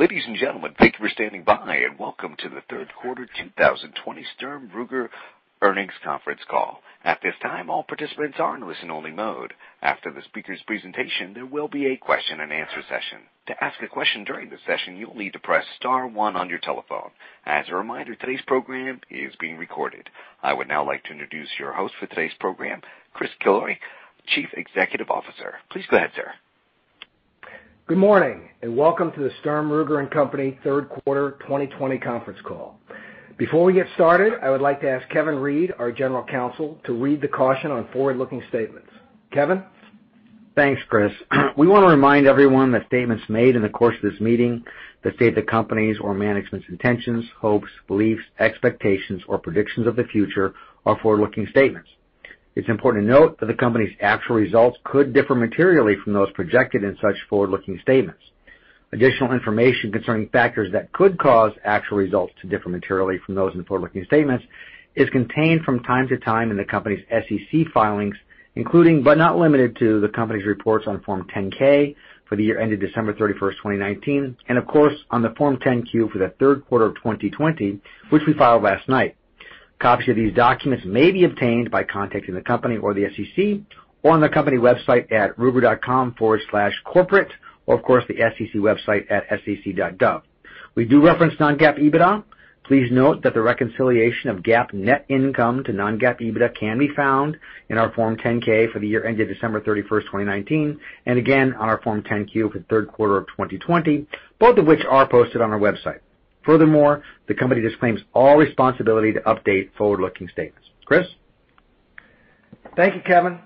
Ladies and gentlemen, thank you for standing by, and welcome to the third quarter 2020 Sturm Ruger earnings conference call. At this time, all participants are in listen only mode. After the speaker's presentation, there will be a question-and-answer session. As a reminder, today's program is being recorded. I would now like to introduce your host for today's program, Chris Killoy, Chief Executive Officer. Please go ahead, sir. Good morning, welcome to the Sturm, Ruger & Company third quarter 2020 conference call. Before we get started, I would like to ask Kevin Reid, our General Counsel, to read the caution on forward-looking statements. Kevin? Thanks, Chris. We want to remind everyone that statements made in the course of this meeting that state the company's or management's intentions, hopes, beliefs, expectations, or predictions of the future are forward-looking statements. It's important to note that the company's actual results could differ materially from those projected in such forward-looking statements. Additional information concerning factors that could cause actual results to differ materially from those in the forward-looking statements is contained from time to time in the company's SEC filings, including, but not limited to, the company's reports on Form 10-K for the year ended December 31st, 2019, and of course, on the Form 10-Q for the third quarter of 2020, which we filed last night. Copies of these documents may be obtained by contacting the company or the SEC, or on the company website at ruger.com/corporate, or of course, the SEC website at sec.gov. We do reference non-GAAP EBITDA. Please note that the reconciliation of GAAP net income to non-GAAP EBITDA can be found in our Form 10-K for the year ended December 31st, 2019, and again on our Form 10-Q for the third quarter of 2020, both of which are posted on our website. Furthermore, the company disclaims all responsibility to update forward-looking statements. Chris? Thank you, Kevin.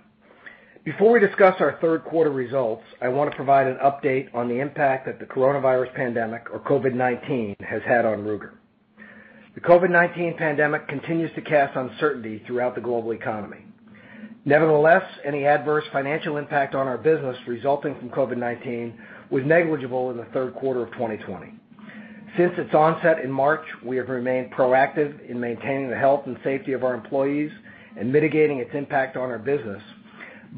Before we discuss our third quarter results, I want to provide an update on the impact that the coronavirus pandemic, or COVID-19, has had on Ruger. The COVID-19 pandemic continues to cast uncertainty throughout the global economy. Nevertheless, any adverse financial impact on our business resulting from COVID-19 was negligible in the third quarter of 2020. Since its onset in March, we have remained proactive in maintaining the health and safety of our employees and mitigating its impact on our business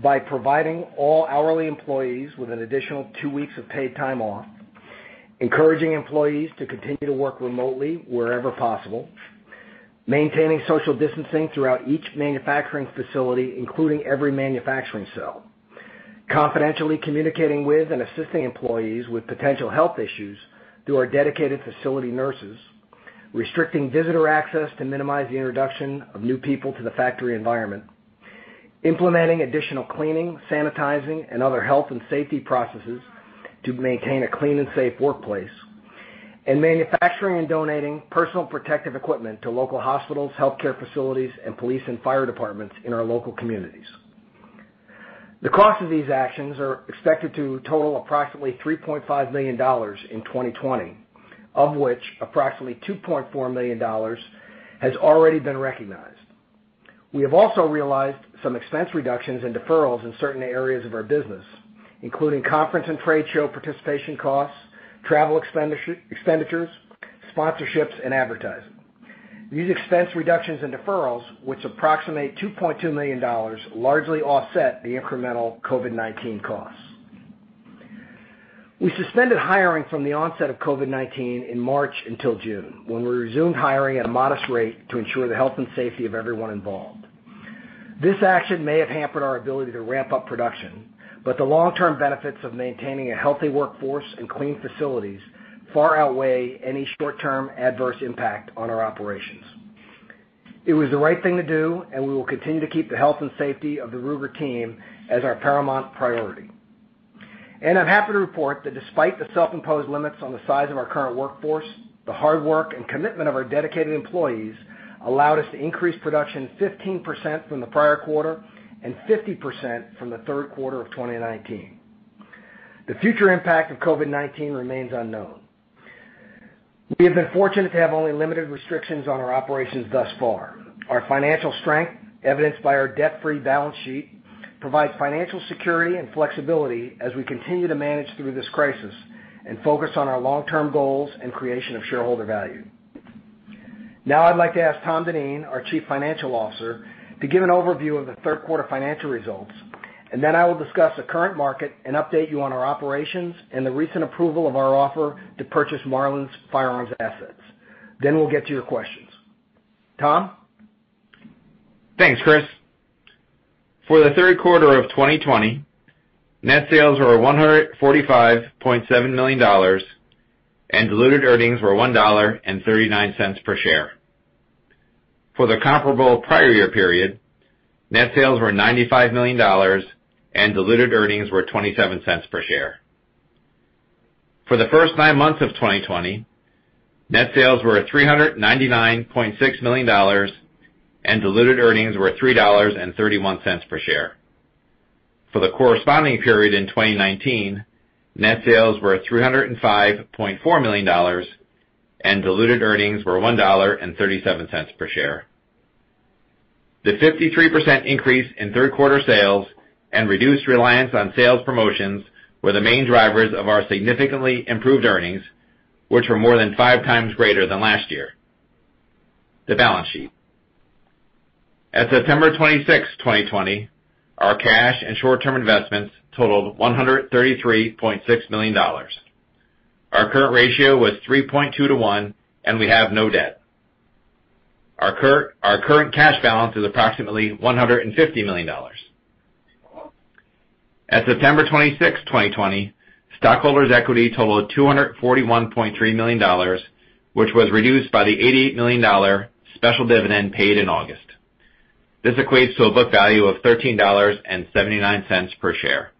by providing all hourly employees with an additional two weeks of paid time off, encouraging employees to continue to work remotely wherever possible, maintaining social distancing throughout each manufacturing facility, including every manufacturing cell. Confidentially communicating with and assisting employees with potential health issues through our dedicated facility nurses, restricting visitor access to minimize the introduction of new people to the factory environment, implementing additional cleaning, sanitizing, and other health and safety processes to maintain a clean and safe workplace, and manufacturing and donating personal protective equipment to local hospitals, healthcare facilities, and police and fire departments in our local communities. The cost of these actions are expected to total approximately $3.5 million in 2020, of which approximately $2.4 million has already been recognized. We have also realized some expense reductions and deferrals in certain areas of our business, including conference and trade show participation costs, travel expenditures, sponsorships, and advertising. These expense reductions and deferrals, which approximate $2.2 million, largely offset the incremental COVID-19 costs. We suspended hiring from the onset of COVID-19 in March until June, when we resumed hiring at a modest rate to ensure the health and safety of everyone involved. This action may have hampered our ability to ramp up production, but the long-term benefits of maintaining a healthy workforce and clean facilities far outweigh any short-term adverse impact on our operations. It was the right thing to do, and we will continue to keep the health and safety of the Ruger team as our paramount priority. I'm happy to report that despite the self-imposed limits on the size of our current workforce, the hard work and commitment of our dedicated employees allowed us to increase production 15% from the prior quarter and 50% from the third quarter of 2019. The future impact of COVID-19 remains unknown. We have been fortunate to have only limited restrictions on our operations thus far. Our financial strength, evidenced by our debt-free balance sheet, provides financial security and flexibility as we continue to manage through this crisis and focus on our long-term goals and creation of shareholder value. Now I'd like to ask Tom Dineen, our Chief Financial Officer, to give an overview of the third quarter financial results, and I will discuss the current market and update you on our operations and the recent approval of our offer to purchase Marlin's firearms assets. We'll get to your questions. Tom? Thanks, Chris. For the third quarter of 2020, net sales were $145.7 million, and diluted earnings were $1.39 per share. For the comparable prior year period, net sales were $95 million, and diluted earnings were $0.27 per share. For the first nine months of 2020, net sales were at $399.6 million, and diluted earnings were $3.31 per share. For the corresponding period in 2019, net sales were at $305.4 million, and diluted earnings were $1.37 per share. The 53% increase in third quarter sales and reduced reliance on sales promotions were the main drivers of our significantly improved earnings, which were more than 5x greater than last year. The balance sheet. At September 26th, 2020, our cash and short-term investments totaled $133.6 million. Our current ratio was 3.2:1, and we have no debt. Our current cash balance is approximately $150 million. At September 26th, 2020, stockholders' equity totaled $241.3 million, which was reduced by the $88 million special dividend paid in August. This equates to a book value of $13.79 per share.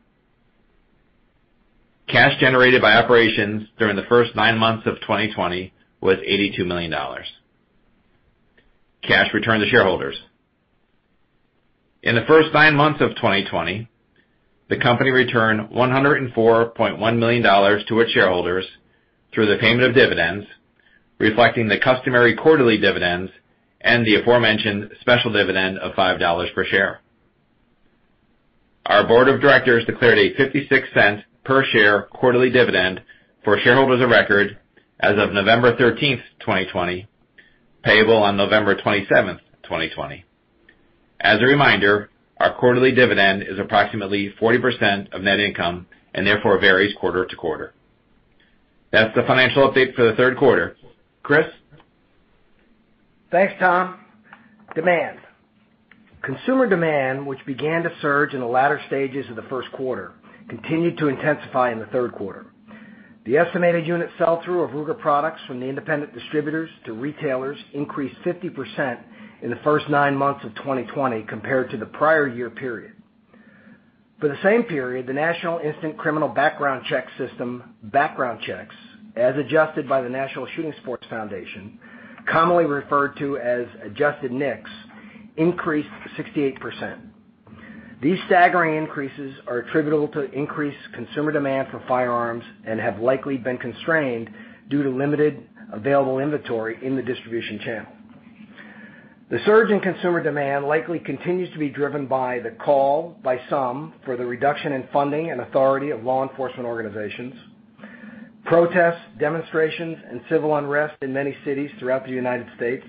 Cash generated by operations during the first nine months of 2020 was $82 million. Cash returned to shareholders. In the first nine months of 2020, the company returned $104.1 million to its shareholders through the payment of dividends, reflecting the customary quarterly dividends and the aforementioned special dividend of $5 per share. Our board of directors declared a $0.56 per share quarterly dividend for shareholders of record as of November 13th, 2020, payable on November 27th, 2020. As a reminder, our quarterly dividend is approximately 40% of net income and therefore varies quarter to quarter. That's the financial update for the third quarter. Chris? Thanks, Tom. Demand. Consumer demand, which began to surge in the latter stages of the first quarter, continued to intensify in the third quarter. The estimated unit sell-through of Ruger products from the independent distributors to retailers increased 50% in the first nine months of 2020 compared to the prior year period. For the same period, the National Instant Criminal Background Check System background checks, as adjusted by the National Shooting Sports Foundation, commonly referred to as adjusted NICS, increased 68%. These staggering increases are attributable to increased consumer demand for firearms and have likely been constrained due to limited available inventory in the distribution channel. The surge in consumer demand likely continues to be driven by the call by some for the reduction in funding and authority of law enforcement organizations, protests, demonstrations, and civil unrest in many cities throughout the U.S.,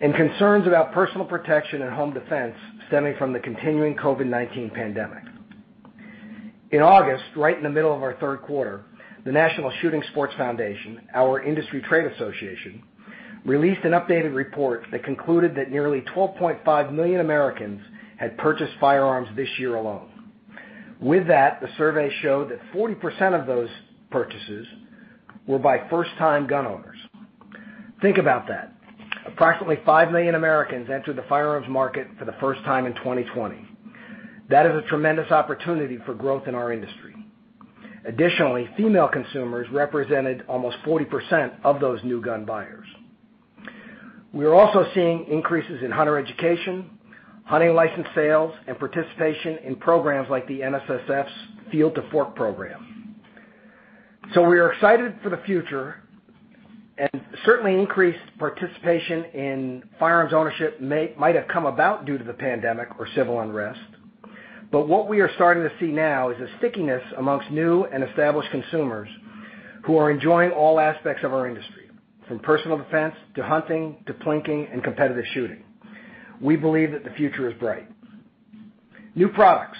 and concerns about personal protection and home defense stemming from the continuing COVID-19 pandemic. In August, right in the middle of our third quarter, the National Shooting Sports Foundation, our industry trade association, released an updated report that concluded that nearly 12.5 million Americans had purchased firearms this year alone. The survey showed that 40% of those purchases were by first-time gun owners. Think about that. Approximately 5 million Americans entered the firearms market for the first time in 2020. That is a tremendous opportunity for growth in our industry. Female consumers represented almost 40% of those new gun buyers. We are also seeing increases in hunter education, hunting license sales, and participation in programs like the NSSF's Field to Fork program. We are excited for the future, and certainly increased participation in firearms ownership might have come about due to the pandemic or civil unrest. What we are starting to see now is a stickiness amongst new and established consumers who are enjoying all aspects of our industry, from personal defense to hunting, to plinking and competitive shooting. We believe that the future is bright. New products.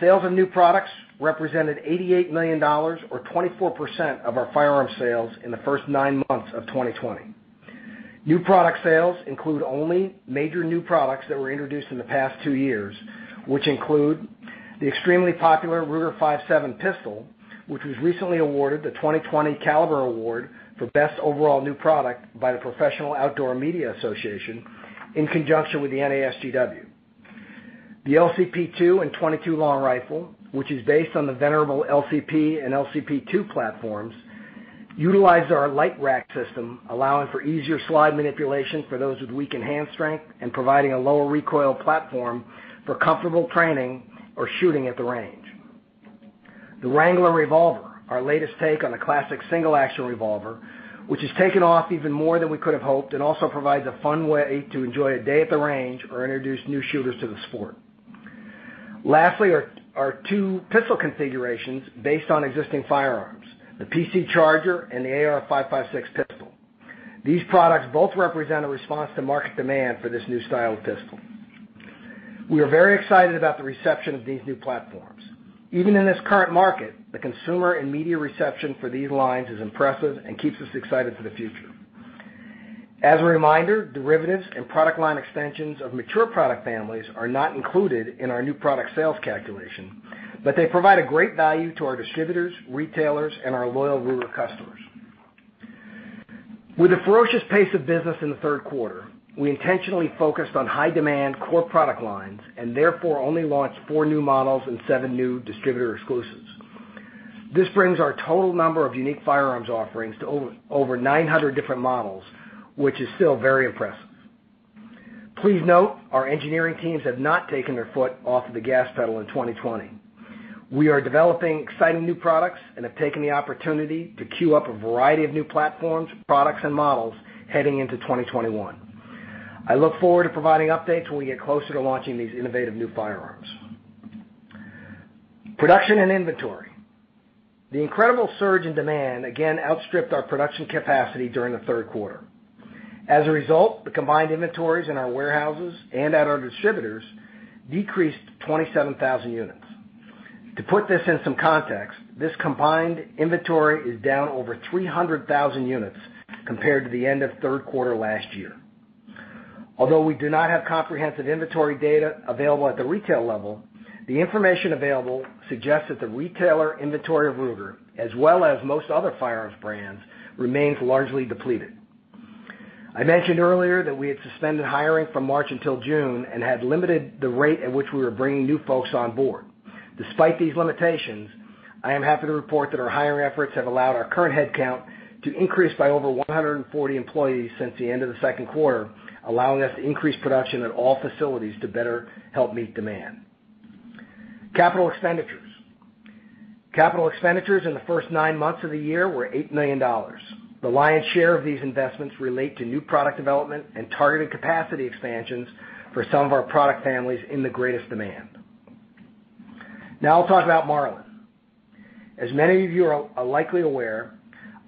Sales of new products represented $88 million, or 24% of our firearm sales in the first nine months of 2020. New product sales include only major new products that were introduced in the past two years, which include the extremely popular Ruger-57 pistol, which was recently awarded the 2020 Caliber Award for best overall new product by the Professional Outdoor Media Association in conjunction with the NASGW. The LCP II in 22 Long Rifle, which is based on the venerable LCP and LCP II platforms, utilize our Lite Rack system, allowing for easier slide manipulation for those with weakened hand strength and providing a lower recoil platform for comfortable training or shooting at the range. The Wrangler Revolver, our latest take on the classic single-action revolver, which has taken off even more than we could have hoped and also provides a fun way to enjoy a day at the range or introduce new shooters to the sport. Lastly, our two pistol configurations based on existing firearms, the PC Charger and the AR-556 pistol. These products both represent a response to market demand for this new style of pistol. We are very excited about the reception of these new platforms. Even in this current market, the consumer and media reception for these lines is impressive and keeps us excited for the future. As a reminder, derivatives and product line extensions of mature product families are not included in our new product sales calculation, but they provide a great value to our distributors, retailers, and our loyal Ruger customers. With the ferocious pace of business in the third quarter, we intentionally focused on high-demand core product lines and therefore only launched four new models and seven new distributor exclusives. This brings our total number of unique firearms offerings to over 900 different models, which is still very impressive. Please note our engineering teams have not taken their foot off of the gas pedal in 2020. We are developing exciting new products and have taken the opportunity to queue up a variety of new platforms, products, and models heading into 2021. I look forward to providing updates when we get closer to launching these innovative new firearms. Production and inventory. The incredible surge in demand again outstripped our production capacity during the third quarter. As a result, the combined inventories in our warehouses and at our distributors decreased 27,000 units. To put this in some context, this combined inventory is down over 300,000 units compared to the end of the third quarter last year. Although we do not have comprehensive inventory data available at the retail level, the information available suggests that the retailer inventory of Ruger, as well as most other firearms brands, remains largely depleted. I mentioned earlier that we had suspended hiring from March until June and had limited the rate at which we were bringing new folks on board. Despite these limitations, I am happy to report that our hiring efforts have allowed our current headcount to increase by over 140 employees since the end of the second quarter, allowing us to increase production at all facilities to better help meet demand. Capital expenditures. Capital expenditures in the first nine months of the year were $8 million. The lion's share of these investments relate to new product development and targeted capacity expansions for some of our product families in the greatest demand. Now I'll talk about Marlin. As many of you are likely aware,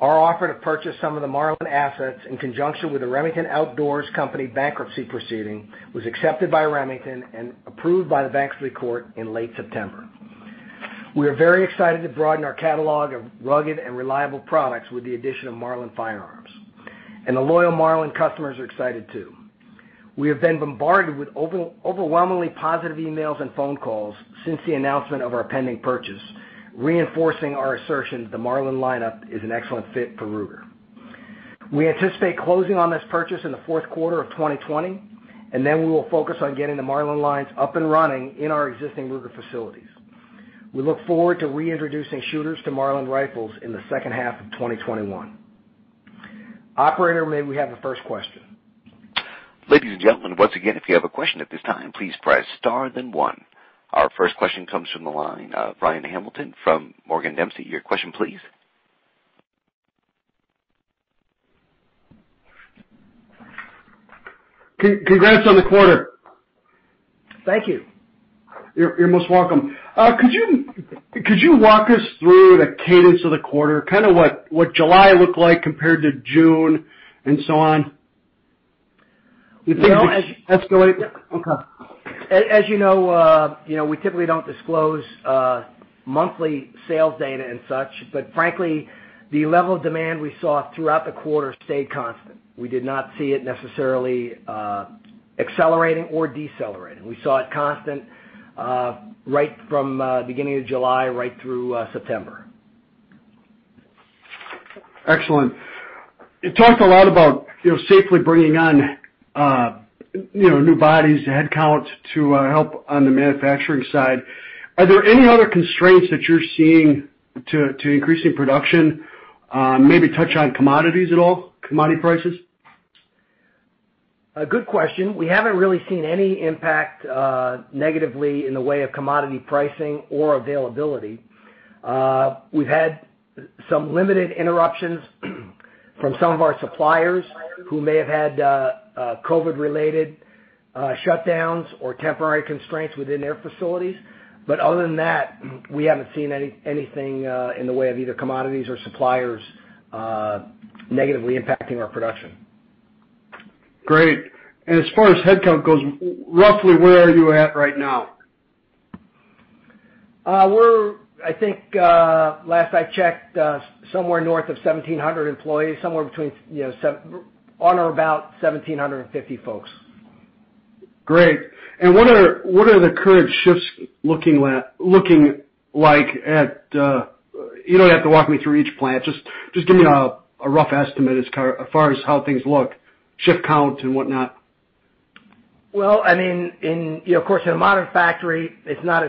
our offer to purchase some of the Marlin assets in conjunction with the Remington Outdoor Company bankruptcy proceeding was accepted by Remington and approved by the bankruptcy court in late September. We are very excited to broaden our catalog of rugged and reliable products with the addition of Marlin firearms, and the loyal Marlin customers are excited too. We have been bombarded with overwhelmingly positive emails and phone calls since the announcement of our pending purchase, reinforcing our assertion that the Marlin lineup is an excellent fit for Ruger. We anticipate closing on this purchase in the fourth quarter of 2020. We will focus on getting the Marlin lines up and running in our existing Ruger facilities. We look forward to reintroducing shooters to Marlin rifles in the second half of 2021. Operator, may we have the first question? Ladies and gentlemen, once again, if you have a question at this time, please press star then one. Our first question comes from the line of Ryan Hamilton from Morgan Dempsey. Your question, please. Congrats on the quarter. Thank you. You're most welcome. Could you walk us through the cadence of the quarter, kind of what July looked like compared to June and so on? You know. Okay. As you know, we typically don't disclose monthly sales data and such, frankly, the level of demand we saw throughout the quarter stayed constant. We did not see it necessarily accelerating or decelerating. We saw it constant right from beginning of July right through September. Excellent. You talked a lot about safely bringing on new bodies, headcount to help on the manufacturing side. Are there any other constraints that you're seeing to increasing production? Maybe touch on commodities at all, commodity prices. A good question. We haven't really seen any impact negatively in the way of commodity pricing or availability. We've had some limited interruptions from some of our suppliers who may have had COVID-related shutdowns or temporary constraints within their facilities. Other than that, we haven't seen anything in the way of either commodities or suppliers negatively impacting our production. Great. As far as headcount goes, roughly where are you at right now? We're, I think, last I checked, somewhere north of 1,700 employees. Somewhere between on or about 1,750 folks. Great. What are the current shifts looking like? You don't have to walk me through each plant. Just give me a rough estimate as far as how things look, shift count and whatnot. Well, of course, in a modern factory, it's not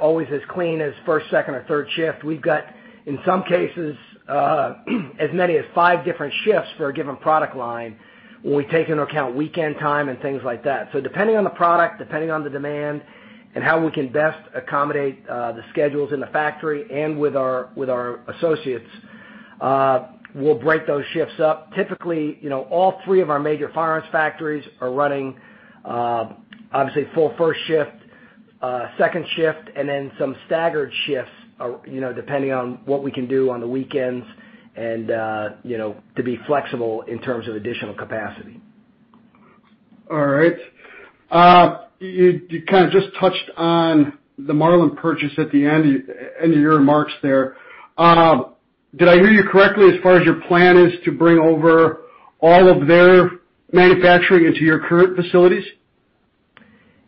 always as clean as first, second, or third shift. We've got, in some cases, as many as five different shifts for a given product line when we take into account weekend time and things like that. Depending on the product, depending on the demand, and how we can best accommodate the schedules in the factory and with our associates, we'll break those shifts up. Typically, all three of our major firearms factories are running, obviously, full first shift, second shift, and then some staggered shifts, depending on what we can do on the weekends and to be flexible in terms of additional capacity. All right. You kind of just touched on the Marlin purchase at the end of your remarks there. Did I hear you correctly as far as your plan is to bring over all of their manufacturing into your current facilities?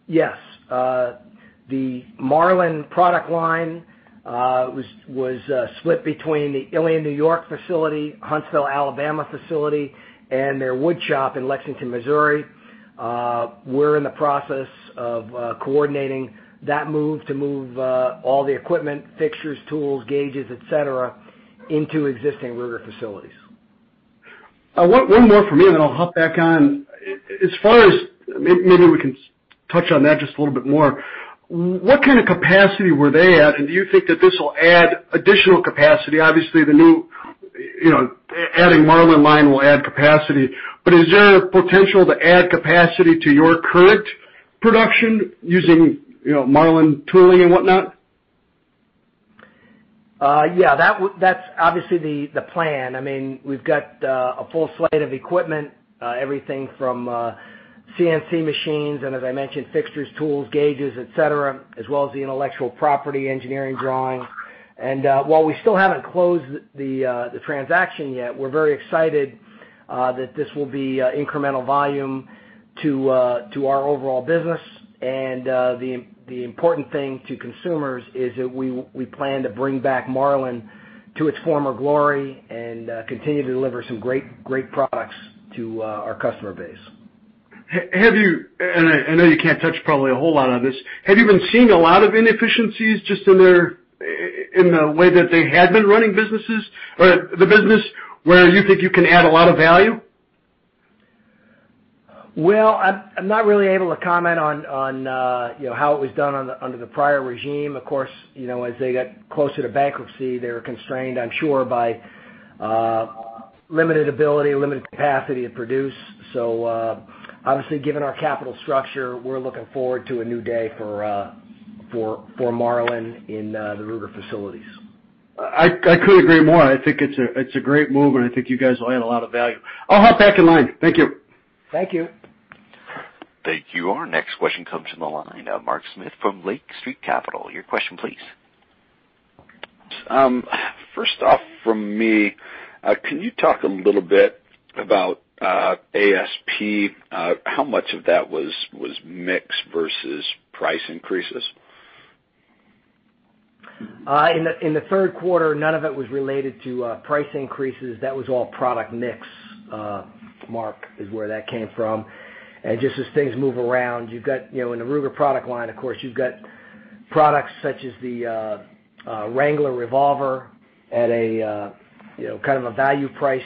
Yes. The Marlin product line was split between the Ilion, New York facility, Huntsville, Alabama facility, and their wood shop in Lexington, Missouri. We're in the process of coordinating that move to move all the equipment, fixtures, tools, gauges, et cetera, into existing Ruger facilities. One more from me, then I'll hop back on. Maybe we can touch on that just a little bit more. What kind of capacity were they at? Do you think that this will add additional capacity? Obviously, the new Marlin line will add capacity. Is there potential to add capacity to your current production using Marlin tooling and whatnot? Yeah, that's obviously the plan. We've got a full slate of equipment, everything from CNC machines, and as I mentioned, fixtures, tools, gauges, et cetera, as well as the intellectual property, engineering drawings. While we still haven't closed the transaction yet, we're very excited that this will be incremental volume to our overall business. The important thing to consumers is that we plan to bring back Marlin to its former glory and continue to deliver some great products to our customer base. Have you, and I know you can't touch probably a whole lot on this, have you been seeing a lot of inefficiencies just in the way that they had been running the business, where you think you can add a lot of value? Well, I'm not really able to comment on how it was done under the prior regime. Of course, as they got closer to bankruptcy, they were constrained, I'm sure, by limited ability, limited capacity to produce. Obviously, given our capital structure, we're looking forward to a new day for Marlin in the Ruger facilities. I couldn't agree more. I think it's a great move, and I think you guys will add a lot of value. I'll hop back in line. Thank you. Thank you. Thank you. Our next question comes from the line, Mark Smith from Lake Street Capital. Your question, please. First off from me, can you talk a little bit about ASP? How much of that was mix versus price increases? In the third quarter, none of it was related to price increases. That was all product mix, Mark, is where that came from. Just as things move around, in the Ruger product line, of course, you've got products such as the Wrangler Revolver at a value-priced,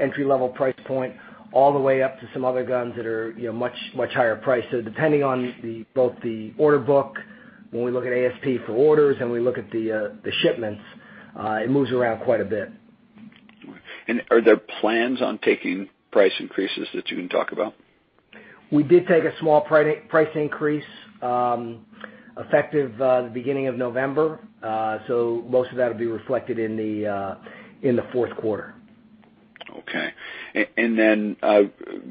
entry-level price point, all the way up to some other guns that are much higher priced. Depending on both the order book, when we look at ASP for orders and we look at the shipments, it moves around quite a bit. Are there plans on taking price increases that you can talk about? We did take a small price increase, effective the beginning of November. Most of that will be reflected in the fourth quarter. Okay.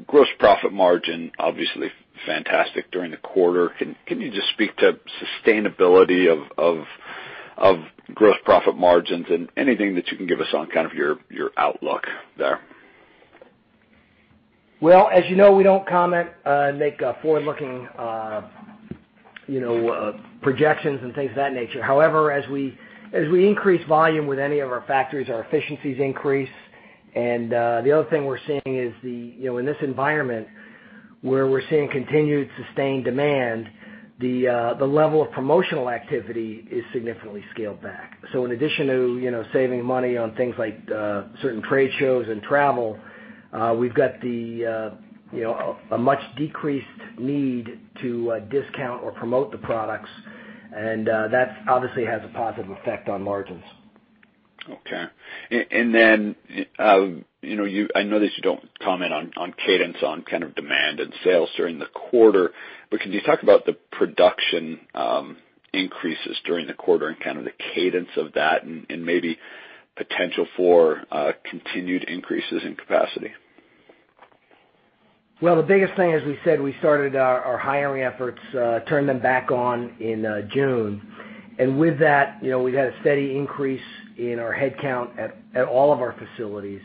Gross profit margin, obviously fantastic during the quarter. Can you just speak to sustainability of gross profit margins and anything that you can give us on your outlook there? Well, as you know, we don't comment, make forward-looking projections and things of that nature. However, as we increase volume with any of our factories, our efficiencies increase. The other thing we're seeing is, in this environment where we're seeing continued sustained demand, the level of promotional activity is significantly scaled back. In addition to saving money on things like certain trade shows and travel, we've got a much-decreased need to discount or promote the products. That obviously has a positive effect on margins. Okay. I know that you don't comment on cadence on demand and sales during the quarter, but can you talk about the production increases during the quarter and the cadence of that and maybe potential for continued increases in capacity? Well, the biggest thing, as we said, we started our hiring efforts, turned them back on in June. With that, we've had a steady increase in our headcount at all of our facilities,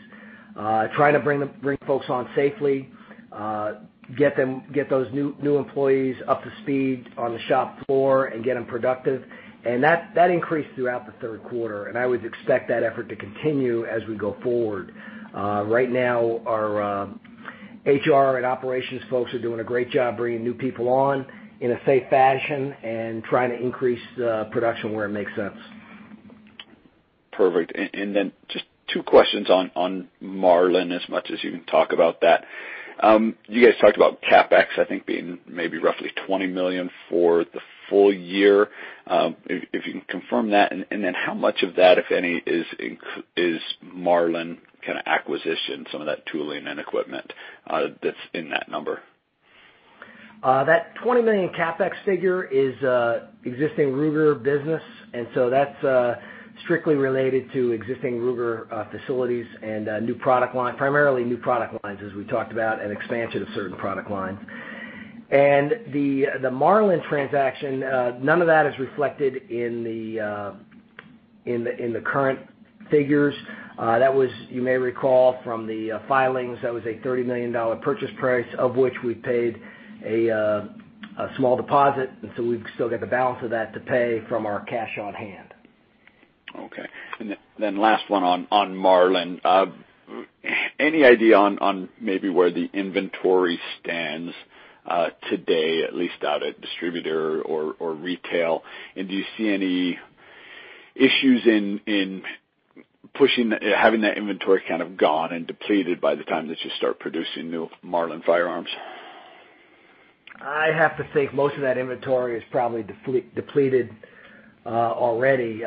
trying to bring folks on safely, get those new employees up to speed on the shop floor, and get them productive. That increased throughout the third quarter, and I would expect that effort to continue as we go forward. Right now, our HR and operations folks are doing a great job bringing new people on in a safe fashion and trying to increase production where it makes sense. Perfect. Just two questions on Marlin, as much as you can talk about that. You guys talked about CapEx, I think, being maybe roughly $20 million for the full year. If you can confirm that, how much of that, if any, is Marlin acquisition, some of that tooling and equipment that's in that number? That $20 million CapEx figure is existing Ruger business, that's strictly related to existing Ruger facilities and primarily new product lines, as we talked about, and expansion of certain product lines. The Marlin transaction, none of that is reflected in the current figures. You may recall from the filings, that was a $30 million purchase price, of which we paid a small deposit, we've still got the balance of that to pay from our cash on hand. Okay. Last one on Marlin. Any idea on maybe where the inventory stands today, at least out at distributor or retail? Do you see any issues in having that inventory gone and depleted by the time that you start producing new Marlin firearms? I have to think most of that inventory is probably depleted already.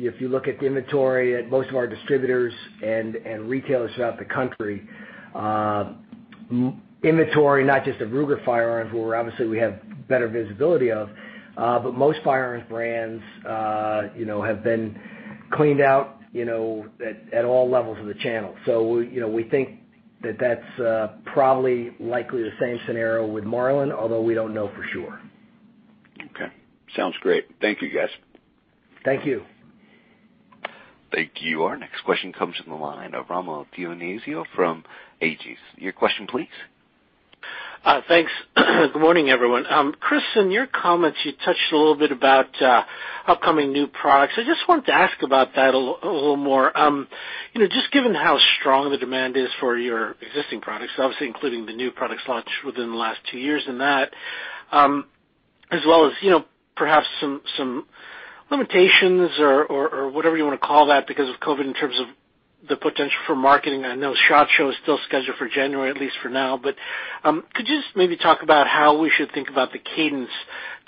If you look at the inventory at most of our distributors and retailers throughout the country, inventory, not just of Ruger firearms, who obviously we have better visibility of, but most firearms brands have been cleaned out at all levels of the channel. We think that that's probably likely the same scenario with Marlin, although we don't know for sure. Okay. Sounds great. Thank you, guys. Thank you. Thank you. Our next question comes from the line of Rommel Dionisio from Aegis. Your question, please. Thanks. Good morning, everyone. Chris, in your comments, you touched a little bit about upcoming new products. I just wanted to ask about that a little more. Just given how strong the demand is for your existing products, obviously including the new products launched within the last two years and that, as well as perhaps some limitations or whatever you want to call that because of COVID-19 in terms of the potential for marketing. I know SHOT Show is still scheduled for January, at least for now. Could you just maybe talk about how we should think about the cadence,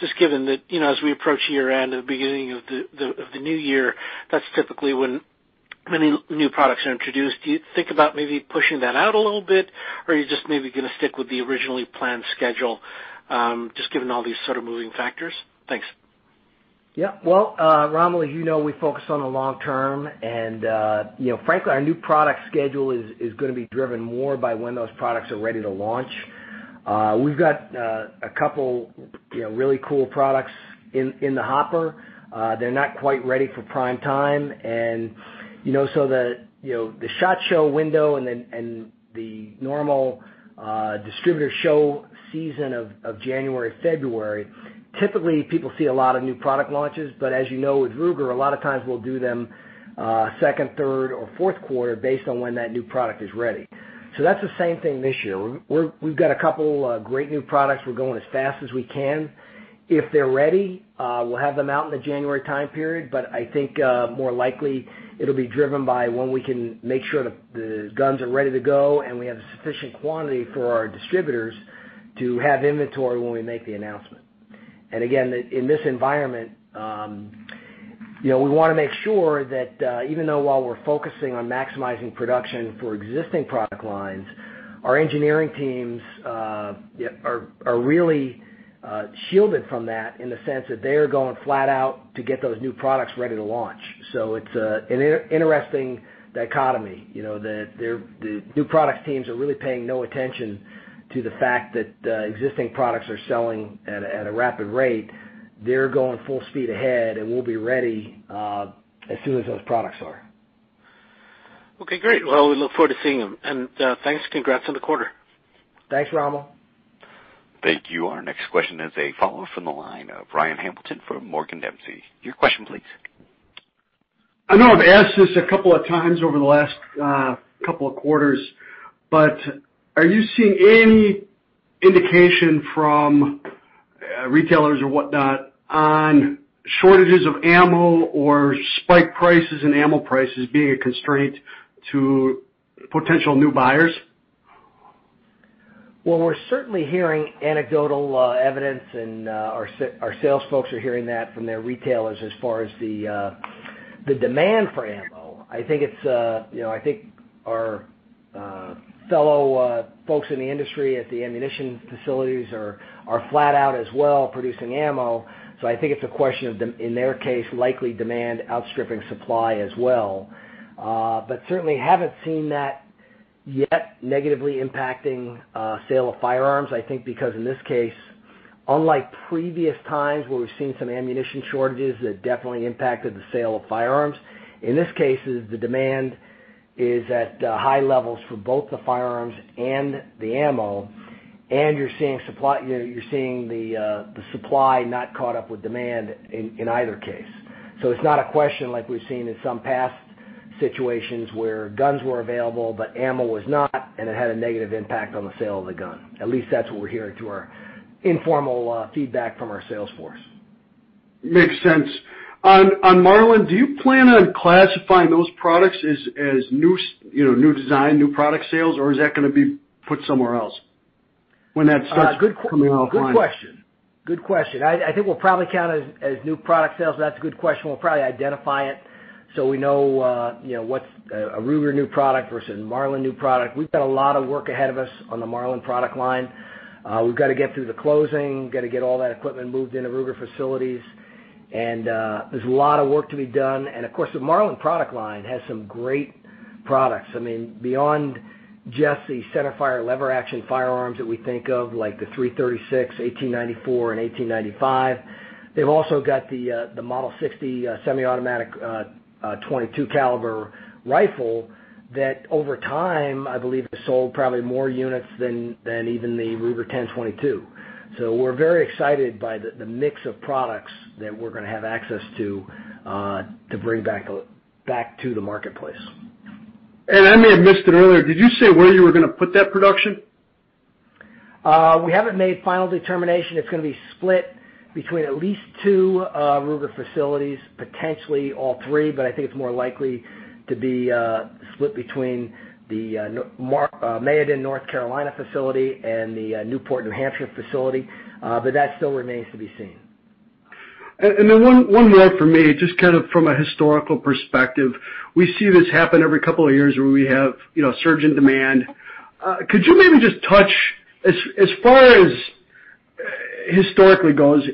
just given that as we approach year-end and the beginning of the new year, that's typically when many new products are introduced. Do you think about maybe pushing that out a little bit? Are you just maybe going to stick with the originally planned schedule, just given all these sort of moving factors? Thanks. Yeah. Well, Rommel, you know we focus on the long term. Frankly, our new product schedule is going to be driven more by when those products are ready to launch. We've got a couple really cool products in the hopper. They're not quite ready for prime time. The SHOT Show window and the normal distributor show season of January, February, typically people see a lot of new product launches. As you know, with Ruger, a lot of times we'll do them second, third, or fourth quarter based on when that new product is ready. That's the same thing this year. We've got a couple great new products. We're going as fast as we can. If they're ready, we'll have them out in the January time period. I think more likely it'll be driven by when we can make sure the guns are ready to go, and we have sufficient quantity for our distributors to have inventory when we make the announcement. Again, in this environment, we want to make sure that even though while we're focusing on maximizing production for existing product lines, our engineering teams are really shielded from that in the sense that they are going flat out to get those new products ready to launch. It's an interesting dichotomy. The new product teams are really paying no attention to the fact that existing products are selling at a rapid rate. They're going full speed ahead, and we'll be ready as soon as those products are. Okay, great. Well, we look forward to seeing them. Thanks. Congrats on the quarter. Thanks, Rommel. Thank you. Our next question is a follow-up from the line of Ryan Hamilton from Morgan Dempsey. Your question please. I know I've asked this a couple of times over the last couple of quarters, but are you seeing any indication from retailers or whatnot on shortages of ammo or spike prices in ammo prices being a constraint to potential new buyers? We're certainly hearing anecdotal evidence, and our sales folks are hearing that from their retailers as far as the demand for ammo. I think our fellow folks in the industry at the ammunition facilities are flat out as well, producing ammo. I think it's a question of, in their case, likely demand outstripping supply as well. Certainly haven't seen that yet negatively impacting sale of firearms, I think because in this case, unlike previous times where we've seen some ammunition shortages that definitely impacted the sale of firearms, in this case, the demand is at high levels for both the firearms and the ammo, and you're seeing the supply not caught up with demand in either case. It's not a question like we've seen in some past situations where guns were available, but ammo was not, and it had a negative impact on the sale of the gun. At least that's what we're hearing through our informal feedback from our sales force. Makes sense. On Marlin, do you plan on classifying those products as new design, new product sales, or is that going to be put somewhere else when that starts coming off line? Good question. I think we'll probably count it as new product sales. That's a good question. We'll probably identify it so we know what's a Ruger new product versus Marlin new product. We've got a lot of work ahead of us on the Marlin product line. We've got to get through the closing, got to get all that equipment moved into Ruger facilities, and there's a lot of work to be done. Of course, the Marlin product line has some great products. Beyond just the centerfire lever action firearms that we think of, like the 336, 1894, and 1895, they've also got the Model 60 semi-automatic .22 caliber rifle that, over time, I believe has sold probably more units than even the Ruger 10/22. We're very excited by the mix of products that we're going to have access to bring back to the marketplace. I may have missed it earlier, did you say where you were going to put that production? We haven't made final determination. It's going to be split between at least two Ruger facilities, potentially all three. I think it's more likely to be split between the Mayodan, North Carolina facility and the Newport, New Hampshire facility. That still remains to be seen. One more from me, just from a historical perspective. We see this happen every couple of years where we have a surge in demand. Could you maybe just touch, as far as historically goes,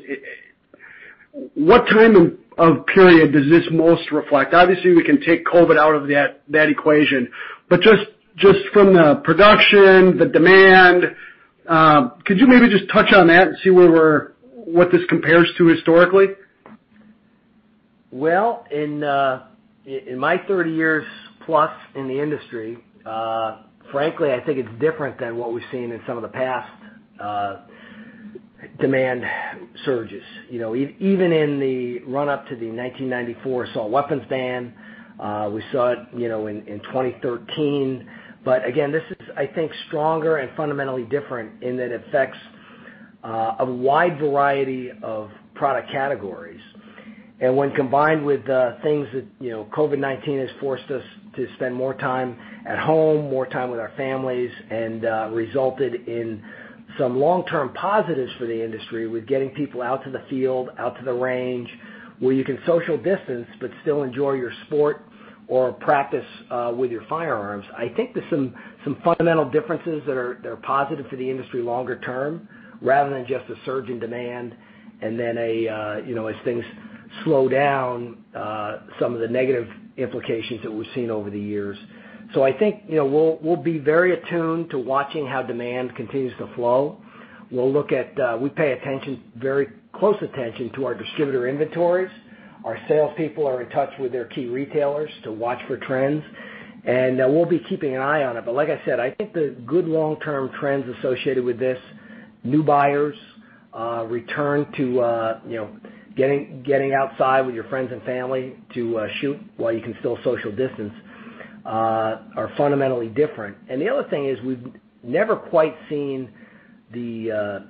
what time of period does this most reflect? Obviously, we can take COVID out of that equation, but just from the production, the demand, could you maybe just touch on that and see what this compares to historically? In my 30 years plus in the industry, frankly, I think it's different than what we've seen in some of the past demand surges. Even in the run-up to the 1994 assault weapons ban, we saw it in 2013. Again, this is, I think, stronger and fundamentally different in that it affects a wide variety of product categories. When combined with things that COVID-19 has forced us to spend more time at home, more time with our families, and resulted in some long-term positives for the industry with getting people out to the field, out to the range, where you can social distance but still enjoy your sport or practice with your firearms. I think there's some fundamental differences that are positive for the industry longer term, rather than just a surge in demand, then as things slow down, some of the negative implications that we've seen over the years. I think, we'll be very attuned to watching how demand continues to flow. We pay very close attention to our distributor inventories. Our salespeople are in touch with their key retailers to watch for trends, and we'll be keeping an eye on it. Like I said, I think the good long-term trends associated with this, new buyers, return to getting outside with your friends and family to shoot while you can still social distance, are fundamentally different. The other thing is we've never quite seen the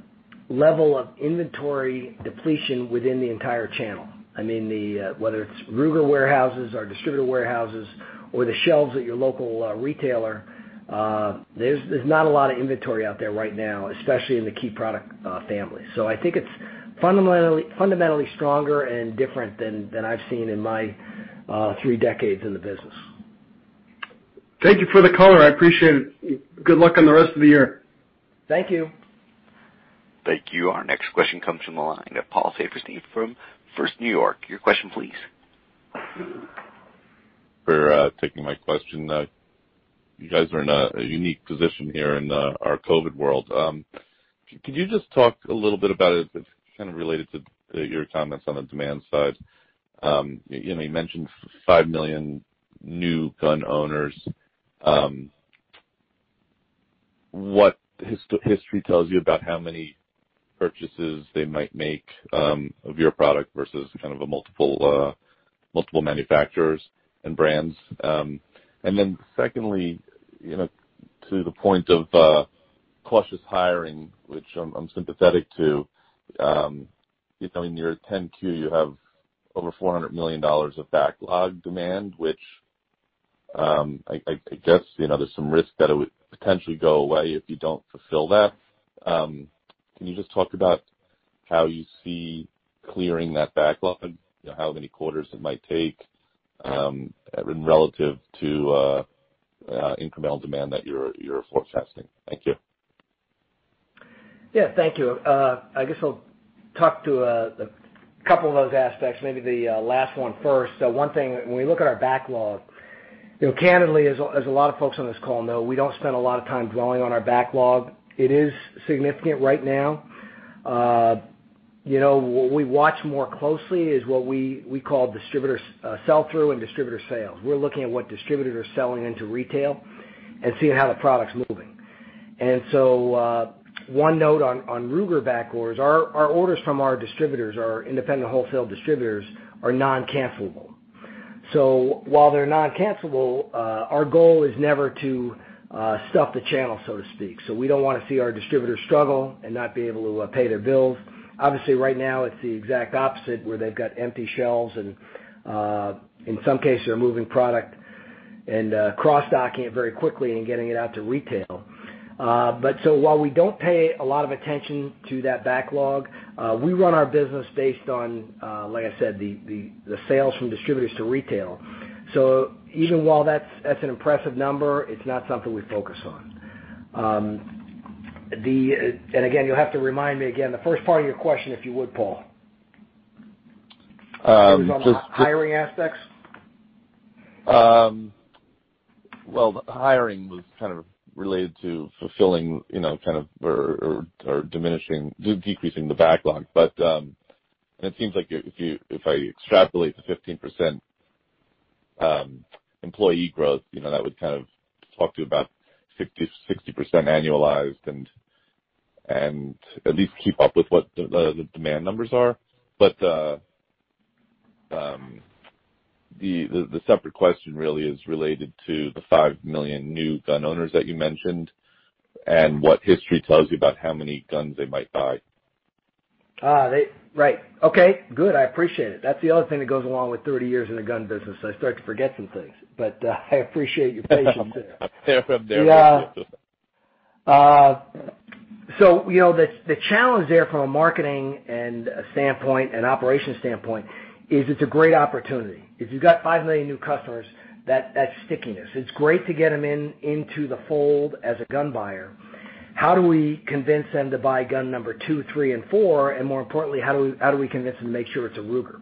level of inventory depletion within the entire channel. I mean, whether it's Ruger warehouses or distributor warehouses or the shelves at your local retailer, there's not a lot of inventory out there right now, especially in the key product families. I think it's fundamentally stronger and different than I've seen in my three decades in the business. Thank you for the color. I appreciate it. Good luck on the rest of the year. Thank you. Thank you. Our next question comes from the line of Paul Saferstein from First New York. Your question please. for taking my question. You guys are in a unique position here in our COVID-19 world. Could you just talk a little bit about, kind of related to your comments on the demand side. You mentioned 5 million new gun owners. What history tells you about how many purchases they might make of your product versus kind of multiple manufacturers and brands? Secondly, to the point of cautious hiring, which I'm sympathetic to. In your Form 10-Q, you have over $400 million of backlog demand, which I guess, there's some risk that it would potentially go away if you don't fulfill that. Can you just talk about how you see clearing that backlog? How many quarters it might take, relative to incremental demand that you're forecasting? Thank you. Yeah. Thank you. I guess I'll talk to a couple of those aspects, maybe the last one first. One thing, when we look at our backlog, candidly, as a lot of folks on this call know, we don't spend a lot of time dwelling on our backlog. It is significant right now. What we watch more closely is what we call distributor sell-through and distributor sales. We're looking at what distributors are selling into retail and seeing how the product's moving. One note on Ruger back orders, our orders from our distributors, our independent wholesale distributors, are non-cancellable. While they're non-cancellable, our goal is never to stuff the channel, so to speak. We don't want to see our distributors struggle and not be able to pay their bills. Obviously, right now it's the exact opposite, where they've got empty shelves and, in some cases, they're moving product and cross-docking it very quickly and getting it out to retail. While we don't pay a lot of attention to that backlog, we run our business based on, like I said, the sales from distributors to retail. Even while that's an impressive number, it's not something we focus on. Again, you'll have to remind me again, the first part of your question, if you would, Paul. Just- On the hiring aspects? Well, the hiring was kind of related to fulfilling or diminishing, decreasing the backlog. It seems like if I extrapolate the 15% employee growth, that would kind of talk to about 60% annualized and at least keep up with what the demand numbers are. The separate question really is related to the 5 million new gun owners that you mentioned, and what history tells you about how many guns they might buy. Right. Okay, good. I appreciate it. That is the other thing that goes along with 30 years in the gun business, is I start to forget some things. I appreciate your patience there. Fair. The challenge there from a marketing standpoint and operations standpoint is it's a great opportunity. If you've got 5 million new customers, that's stickiness. It's great to get them into the fold as a gun buyer. How do we convince them to buy gun number 2, 3, and 4, and more importantly, how do we convince them to make sure it's a Ruger?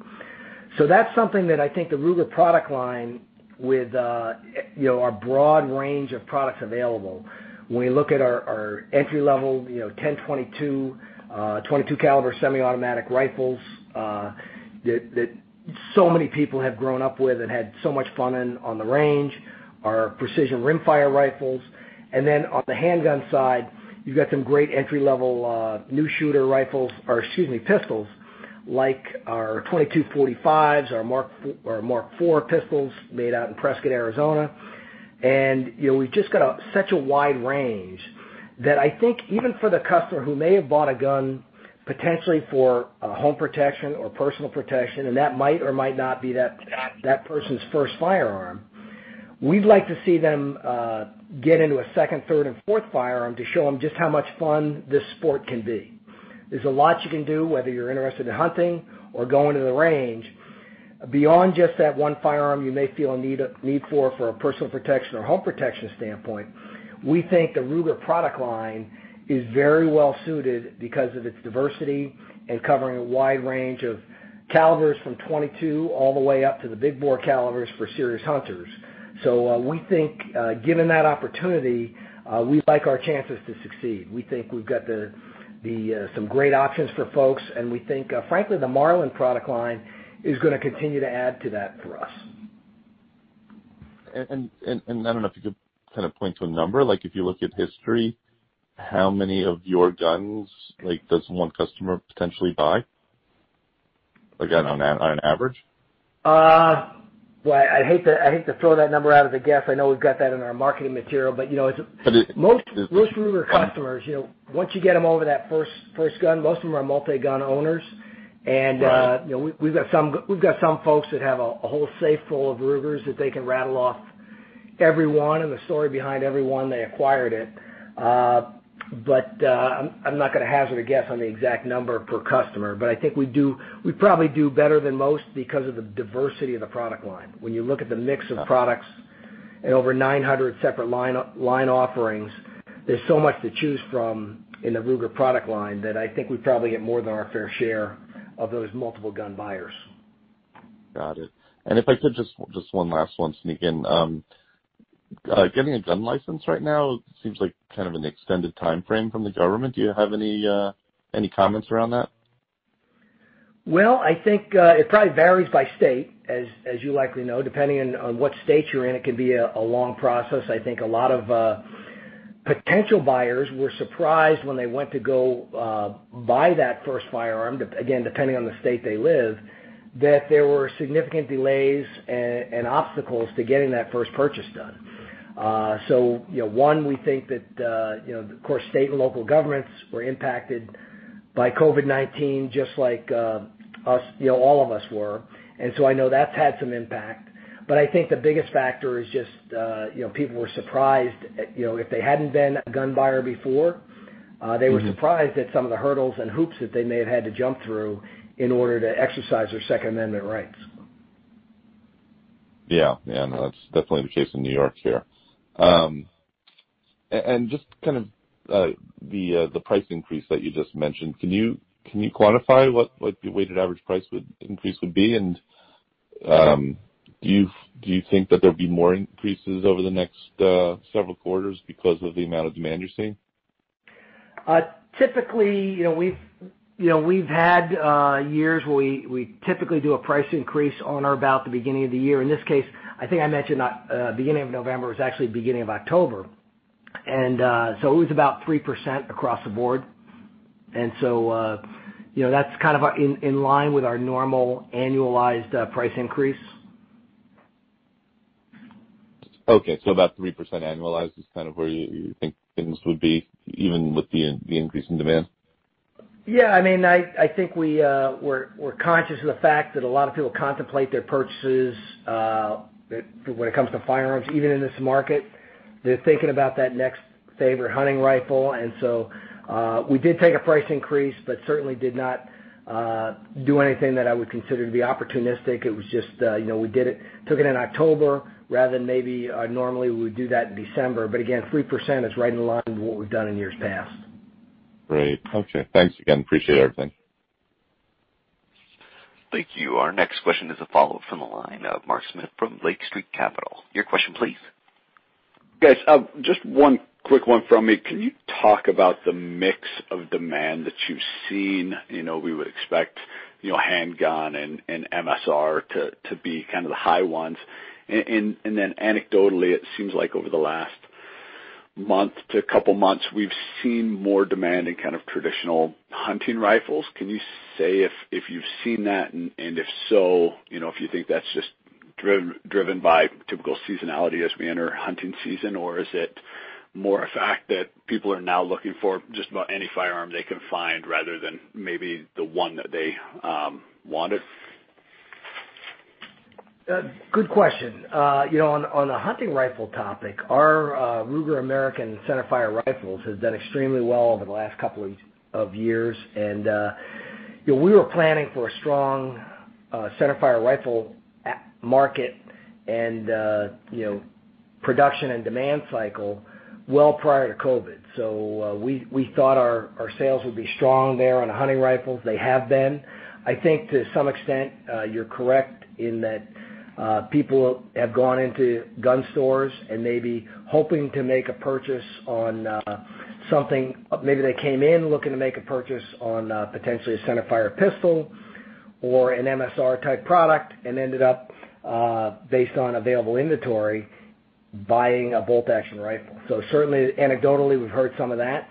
That's something that I think the Ruger product line with our broad range of products available, when we look at our entry level, 10/22 caliber semiautomatic rifles, that so many people have grown up with and had so much fun in on the range, our Ruger Precision Rimfire. On the handgun side, you've got some great entry-level new shooter rifles, or excuse me, pistols, like our 22/45s, our Mark IV pistols made out in Prescott, Arizona. We've just got such a wide range that I think even for the customer who may have bought a gun potentially for home protection or personal protection, and that might or might not be that person's first firearm. We'd like to see them get into a second, third, and fourth firearm to show them just how much fun this sport can be. There's a lot you can do, whether you're interested in hunting or going to the range. Beyond just that one firearm you may feel a need for a personal protection or home protection standpoint, we think the Ruger product line is very well-suited because of its diversity in covering a wide range of calibers from 22 all the way up to the big bore calibers for serious hunters. We think, given that opportunity, we like our chances to succeed. We think we've got some great options for folks, and we think, frankly, the Marlin product line is going to continue to add to that for us. I don't know if you could kind of point to a number. If you look at history, how many of your guns does one customer potentially buy? Again, on an average. Well, I hate to throw that number out as a guess. I know we've got that in our marketing material. But it- Most Ruger customers, once you get them over that first gun, most of them are multi-gun owners. Right. We've got some folks that have a whole safe full of Rugers that they can rattle off every one and the story behind every one they acquired it. I'm not going to hazard a guess on the exact number per customer. I think we probably do better than most because of the diversity of the product line. When you look at the mix of products and over 900 separate line offerings, there's so much to choose from in the Ruger product line that I think we probably get more than our fair share of those multiple gun buyers. Got it. If I could, just one last one to sneak in. Getting a gun license right now seems like kind of an extended timeframe from the government. Do you have any comments around that? Well, I think it probably varies by state, as you likely know. Depending on what state you're in, it can be a long process. I think a lot of potential buyers were surprised when they went to go buy that first firearm, again, depending on the state they live, that there were significant delays and obstacles to getting that first purchase done. One, we think that, of course, state and local governments were impacted by COVID-19 just like all of us were. I know that's had some impact. I think the biggest factor is just people were surprised. If they hadn't been a gun buyer before- they were surprised at some of the hurdles and hoops that they may have had to jump through in order to exercise their Second Amendment rights. Yeah. No, that's definitely the case in N.Y. here. Just kind of the price increase that you just mentioned, can you quantify what the weighted average price increase would be? Do you think that there'll be more increases over the next several quarters because of the amount of demand you're seeing? Typically, we've had years where we typically do a price increase on or about the beginning of the year. In this case, I think I mentioned not beginning of November. It was actually the beginning of October. It was about 3% across the board. That's kind of in line with our normal annualized price increase. Okay, about 3% annualized is kind of where you think things would be, even with the increase in demand? Yeah, I think we're conscious of the fact that a lot of people contemplate their purchases, when it comes to firearms, even in this market. They're thinking about that next favorite hunting rifle. We did take a price increase, but certainly did not do anything that I would consider to be opportunistic. It was just we took it in October rather than maybe normally we would do that in December. Again, 3% is right in line with what we've done in years past. Great. Okay. Thanks again. Appreciate everything. Thank you. Our next question is a follow-up from the line of Mark Smith from Lake Street Capital. Your question, please. Guys, just one quick one from me. Can you talk about the mix of demand that you've seen? We would expect handgun and MSR to be kind of the high ones. Then anecdotally, it seems like over the last month to couple months, we've seen more demand in traditional hunting rifles. Can you say if you've seen that? If so, if you think that's just driven by typical seasonality as we enter hunting season, or is it more a fact that people are now looking for just about any firearm they can find rather than maybe the one that they wanted? Good question. On the hunting rifle topic, our Ruger American Centerfire Rifles has done extremely well over the last couple of years. We were planning for a strong centerfire rifle market, and production, and demand cycle well prior to COVID. We thought our sales would be strong there on hunting rifles. They have been. I think to some extent, you're correct in that people have gone into gun stores and maybe hoping to make a purchase on something. Maybe they came in looking to make a purchase on potentially a centerfire pistol or an MSR type product and ended up, based on available inventory, buying a bolt-action rifle. Certainly anecdotally, we've heard some of that,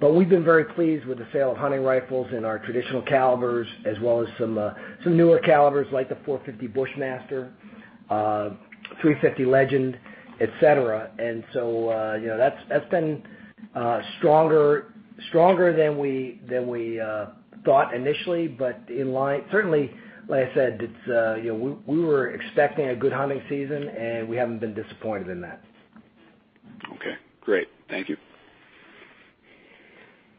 but we've been very pleased with the sale of hunting rifles in our traditional calibers as well as some newer calibers like the 450 Bushmaster, 350 Legend, et cetera. That's been stronger than we thought initially. Certainly, like I said, we were expecting a good hunting season, and we haven't been disappointed in that. Okay, great. Thank you.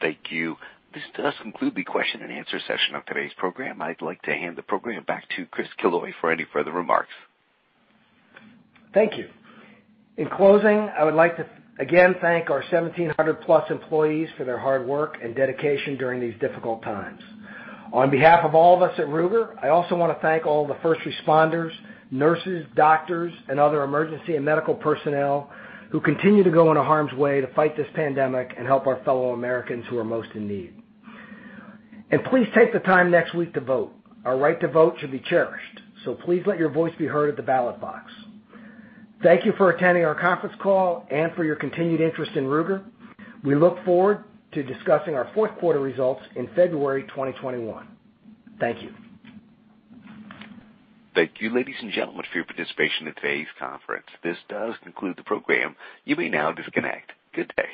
Thank you. This does conclude the question and answer session of today's program. I'd like to hand the program back to Chris Killoy for any further remarks. Thank you. In closing, I would like to again thank our 1,700 plus employees for their hard work and dedication during these difficult times. On behalf of all of us at Ruger, I also want to thank all the first responders, nurses, doctors, and other emergency and medical personnel who continue to go into harm's way to fight this pandemic and help our fellow Americans who are most in need. Please take the time next week to vote. Our right to vote should be cherished, so please let your voice be heard at the ballot box. Thank you for attending our conference call and for your continued interest in Ruger. We look forward to discussing our fourth quarter results in February 2021. Thank you. Thank you, ladies and gentlemen, for your participation in today's conference. This does conclude the program. You may now disconnect. Good day.